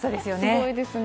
すごいですね。